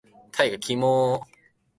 お疲れ様です。いつもありがとうございます。